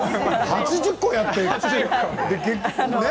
８０個やってね。